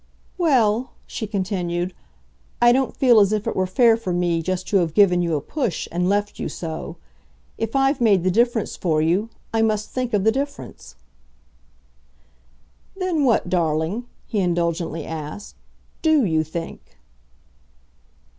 "Well," she continued, "I don't feel as if it were fair for me just to have given you a push and left you so. If I've made the difference for you, I must think of the difference." "Then what, darling," he indulgently asked, "DO you think?"